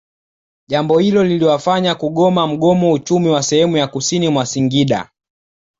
Jambo hilo liliwafanya kugoma mgomo Uchumi wa sehemu ya kusini mwa Singida